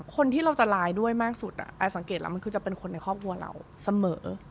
คนที่เราจะไลน์ด้วยมากสุดอายสังเกตแล้วมันคือจะเป็นคนในครอบครัวเราเสมอ